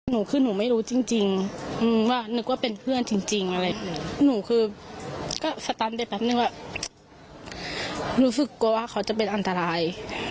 หนูคือหนูไม่รู้จริงว่านึกว่าเป็นเพื่อนจริงอะไรหนูคือก็สตันได้แป๊บนึงว่ารู้สึกกลัวว่าเขาจะเป็นอันตราย